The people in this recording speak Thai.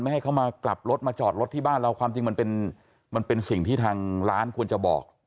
ให้เขามากลับรถมาจอดรถที่บ้านเราความจริงมันเป็นสิ่งที่ทางร้านควรจะบอก